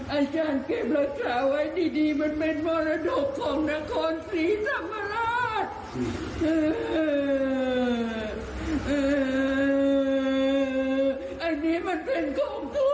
อันนี้มันเป็นของตัวหนู